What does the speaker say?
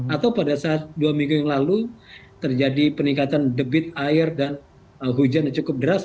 atau pada saat dua minggu yang lalu terjadi peningkatan debit air dan hujan yang cukup deras